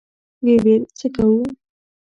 ويې ويل: څه کوو؟